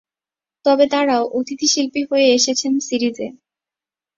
তবে তারাও অতিথি শিল্পী হয়ে এসেছেন সিরিজে।